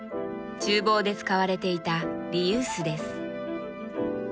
ちゅう房で使われていたリユースです。